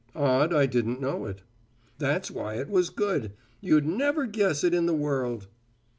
"Odd I didn't know it." "That's why it was good. You'd never guess it in the world."